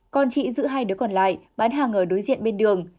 con chị giữ hai đứa còn lại bán hàng ở đối diện bên đường